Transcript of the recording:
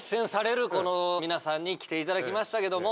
この皆さんに来ていただきましたけども。